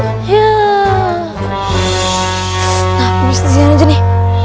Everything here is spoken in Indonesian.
nah beristirahat aja nih